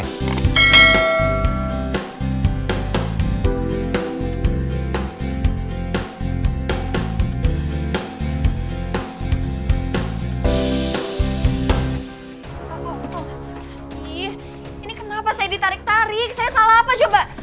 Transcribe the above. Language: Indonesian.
ini kenapa saya ditarik tarik saya salah apa coba